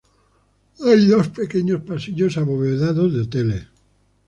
Hay dos pequeños pasillos abovedados de hoteles.